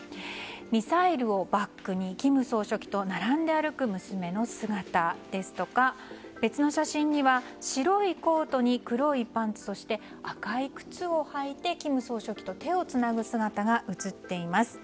ミサイルをバックに金総書記と並んで歩く娘の姿ですとか別の写真には白いコートに黒いパンツそして、赤い靴を履いて金総書記と手をつなぐ姿が写っています。